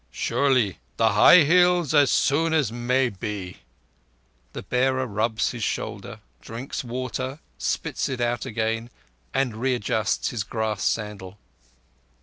"Surely. The high Hills as soon as may be." The bearer rubs his shoulder, drinks water, spits it out again, and readjusts his grass sandal.